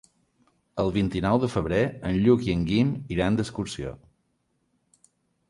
El vint-i-nou de febrer en Lluc i en Guim iran d'excursió.